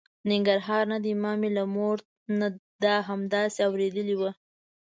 ننګرهار نه دی، ما مې له مور نه دا ستا همداسې اورېدې وه.